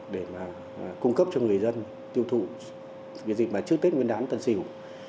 để cung cấp cho người dân tiêu thụ cái gì mà trước tết nguyên đán tân sỉu